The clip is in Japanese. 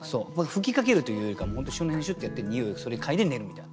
吹きかけるというよりかは本当にその辺にシュッてやって匂いを嗅いで寝るみたいな。